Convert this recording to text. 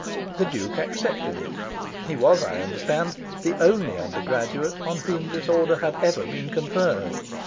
The Duke accepted it. He was, I understand, the only undergraduate on whom this Order had ever been conferred.